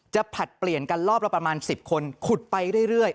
ผลัดเปลี่ยนกันรอบละประมาณ๑๐คนขุดไปเรื่อย